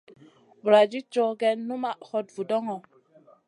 Vuladid cow gèh numaʼ hot vudoŋo.